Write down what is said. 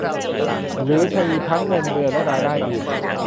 หรือมีทั้งเงินเดือนและรายได้อื่น